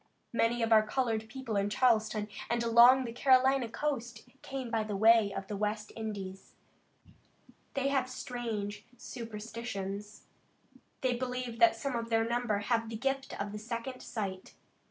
Many of our colored people in Charleston and along the Carolina coast came by the way of the West Indies. They have strange superstitions. They believe that some of their number have the gift of second sight.